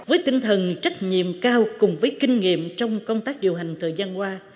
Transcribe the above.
với tinh thần trách nhiệm cao cùng với kinh nghiệm trong công tác điều hành thời gian qua